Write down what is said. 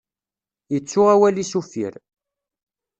Yettu awal-is uffir.